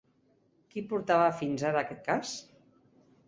Qui portava fins ara aquest cas?